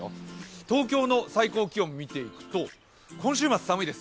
東京の最高気温を見ていくと今週末、寒いです。